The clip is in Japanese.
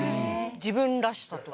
自分らしさとか？